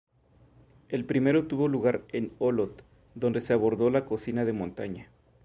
El primero tuvo lugar en Olot, donde se abordó la cocina de montaña.